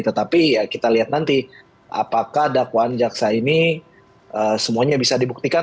tetapi ya kita lihat nanti apakah dakwaan jaksa ini semuanya bisa dibuktikan